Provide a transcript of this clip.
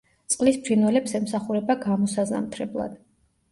წყლის ფრინველებს ემსახურება გამოსაზამთრებლად.